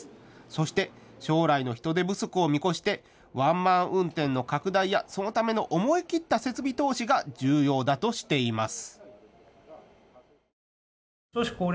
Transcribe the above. そして将来の人手不足を見越してワンマン運転の拡大やそのための思い切った設備投資が重要だとしています。